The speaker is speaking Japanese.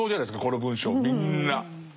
この文章みんな。